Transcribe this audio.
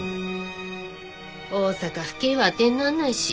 大阪府警は当てになんないし。